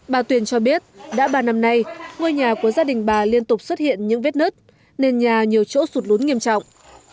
bà tuyền cho biết đã ba năm nay ngôi nhà của gia đình bà liên tục xuất hiện những vết nứt nền nhà nhiều chỗ sụt lún nghiêm trọng